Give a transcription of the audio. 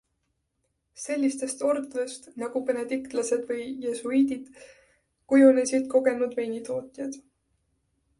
Sellistest ordudest nagu benediktlased või jesuiidid kujunesid kogenud veinitootjad.